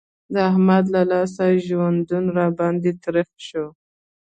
د احمد له لاسه ژوندون را باندې تريخ شو.